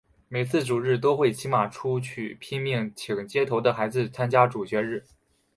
每次主日都会骑马出去拼命请街头的孩子参加主日学。